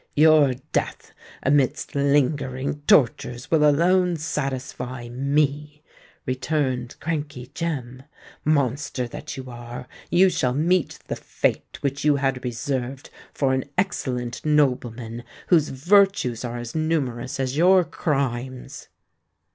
"Your death, amidst lingering tortures, will alone satisfy me!" returned Crankey Jem. "Monster that you are, you shall meet the fate which you had reserved for an excellent nobleman whose virtues are as numerous as your crimes!"